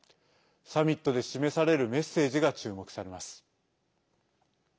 サミットで示されるメッセージが注目されます。